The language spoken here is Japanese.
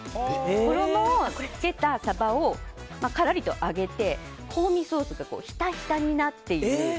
衣をつけたサバをからりと揚げて、香味ソースがひたひたになっている。